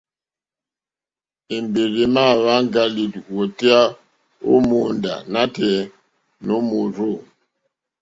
Èmbèrzà èmà wáŋgá lìwòtéyá ó mòóndá nǎtɛ̀ɛ̀ nǒ mòrzô.